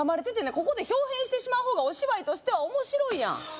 ここで豹変してしまう方がお芝居としては面白いやん